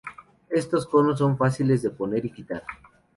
Estos conos son fáciles de poner y quitar.